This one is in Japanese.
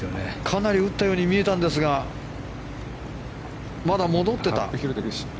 かなり打ったように見えたんですがまだ戻っていた。